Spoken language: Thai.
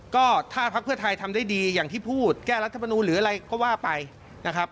ก็ถ้าพักเพื่อไทยทำได้ดีอย่างที่พูดแก้รัฐมนูลหรืออะไรก็ว่าไปนะครับ